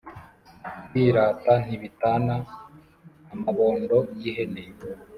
Birata ntibitana-Amabondo y'ihene.